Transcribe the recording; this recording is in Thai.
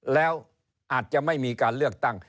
แล้วอาจจะไม่มีการเลือกตั้ง